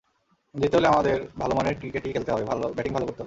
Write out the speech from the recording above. জিততে হলে আমাদের ভালো মানের ক্রিকেটই খেলতে হবে, ব্যাটিং ভালো করতে হবে।